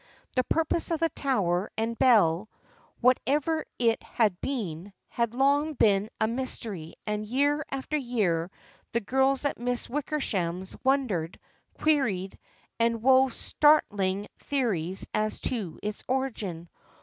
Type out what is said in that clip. The purpose of the tower and bell, whatever it had been, had long been a mys tery and year after year the girls at Miss Wicker sham's wondered, queried and wove startling theories as to its origin.